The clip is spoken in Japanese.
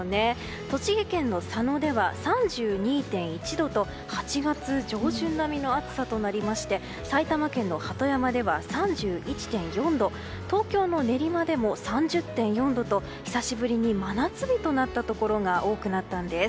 栃木県の佐野では３２．１度と８月上旬並みの暑さとなりまして埼玉県の鳩山では３１．４度東京の練馬でも３０．４度と久しぶりに真夏日となったところが多くなったんです。